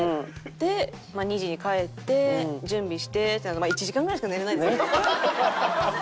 でまあ２時に帰って準備してってなると１時間ぐらいしか寝れないですよね。